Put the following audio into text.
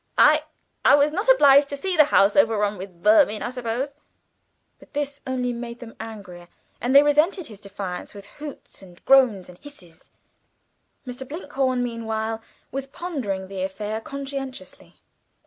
I he was not obliged to see the house overrun with vermin, I suppose?" But this only made them angrier, and they resented his defence with hoots, and groans, and hisses. Mr. Blinkhorn meanwhile was pondering the affair conscientiously.